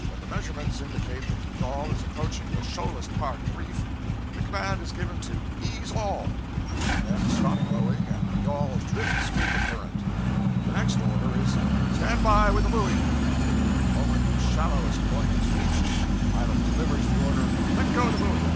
When the measurements indicate that the yawl is approaching the shoalest part of the reef, the command is given to 'ease all!' Then the men stop rowing and the yawl drifts with the current. The next order is, 'Stand by with the buoy!' The moment the shallowest point is reached, the pilot delivers the order, 'Let go the buoy!'